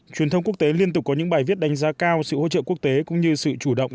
truyền thông quốc tế liên tục có những bài viết đánh giá cao sự hỗ trợ quốc tế cũng như sự chủ động